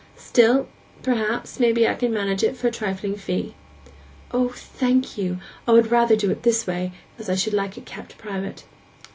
Still, perhaps, I can manage it for a trifling fee.' 'O, thank you! I would rather do it this way, as I should like it kept private.